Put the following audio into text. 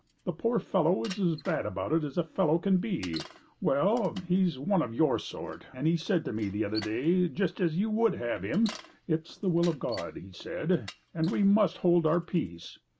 The poor fellow is as bad about it as fellow can be. Well, he's one of your sort, and said to me the other day, just as you would have him, 'It's the will of God,' he said, 'and we must hold our peace.